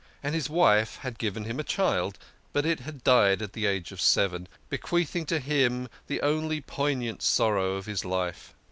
And his wife had given him a child, but it died at the age of seven, bequeathing to him the only poignant sorrow of his life.